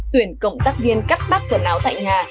tuyển cộng tác viên cắt bắt quần áo tại nhà